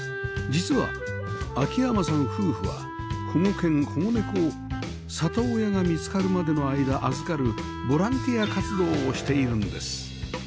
実は穐山さん夫婦は保護犬保護猫を里親が見つかるまでの間預かるボランティア活動をしているんです